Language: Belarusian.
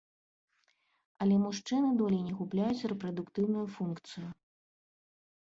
Але мужчыны долей не губляюць рэпрадуктыўную функцыю.